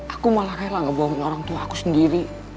aku malah rela ngebohongin orang tua aku sendiri